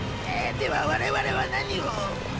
では我々は何を。